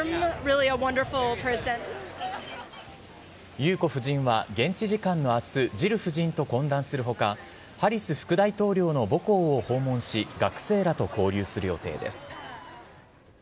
裕子夫人は現地時間のあす、ジル夫人と懇談するほか、ハリス副大統領の母校を訪問し、学生らと交流する予定です。